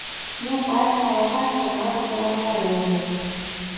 Meu pai estava apaixonado pelas laranjas.